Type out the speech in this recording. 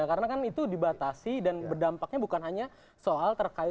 karena kan itu dibatasi dan berdampaknya bukan hanya soal terkait